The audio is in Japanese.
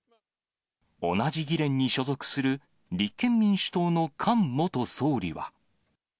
同じ議連に所属する、立憲民主党の菅元総理は。